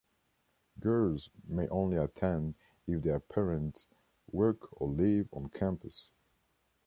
Girls may only attend if their parents work or live on campus.